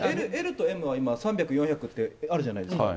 ＬとＭは今、３００、４００って今、あるじゃないですか。